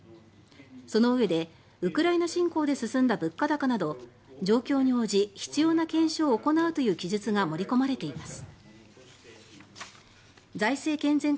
そのうえでウクライナ侵攻で進んだ物価高など状況に応じ必要な検証を行うという記述が盛り込まれています。